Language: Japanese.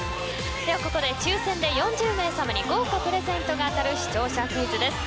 ここで抽選で４０名さまに豪華プレゼントが当たる視聴者クイズです。